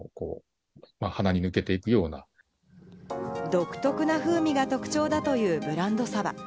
独特な風味が特徴だというブランドサバ。